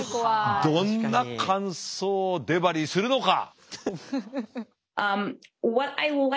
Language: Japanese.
どんな感想をデバリーするのか。